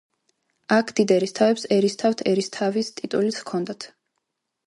აქ დიდ ერისთავებს ერისთავთერისთავის ტიტულიც ჰქონდათ.